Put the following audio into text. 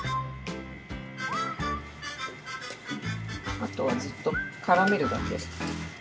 あとはずっとからめるだけ。